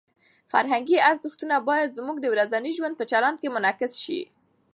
فرهنګي ارزښتونه باید زموږ د ورځني ژوند په چلند کې منعکس شي.